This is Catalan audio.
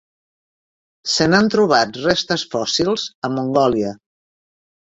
Se n'han trobat restes fòssils a Mongòlia.